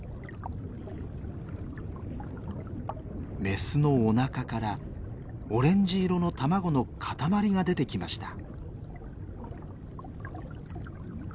メスのおなかからオレンジ色の卵の塊が出てきました！